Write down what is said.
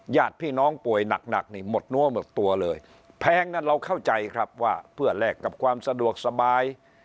ญาติพี่น้องป่วยหนักหนักนี่หมดเนื้อหมดตัวเลยแพงนั้นเราเข้าใจครับว่าเพื่อแลกกับความสะดวกสบาย